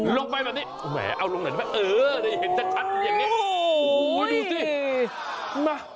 ลงไปแบบนี้เอาลงหน่อยได้ไหมได้เห็นชัดอย่างนี้ดูสิมา